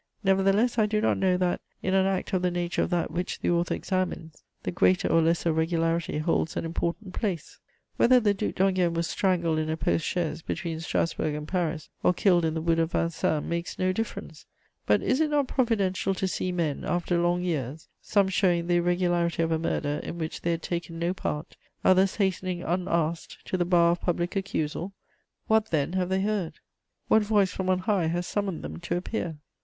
Nevertheless I do not know that, in an act of the nature of that which the author examines, the greater or lesser regularity holds an important place: whether the Duc d'Enghien was strangled in a post chaise between Strasburg and Paris or killed in the wood of Vincennes makes no difference. But is it not providential to see men, after long years, some showing the irregularity of a murder in which they had taken no part, others hastening, unasked, to the bar of public accusal? What, then have they heard? What voice from on high has summoned them to appear?